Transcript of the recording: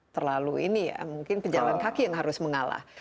terlalu ini ya mungkin pejalan kaki yang harus mengalah